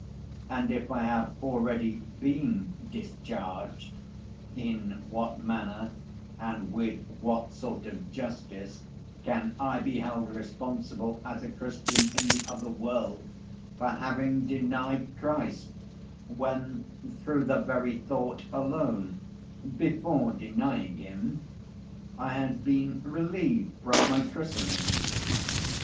And if I have already been discharged, in what manner and with what sort of justice can I be held responsible as a Christian in the other world for having denied Christ, when, through the very thought alone, before denying Him I had been relieved from my christening?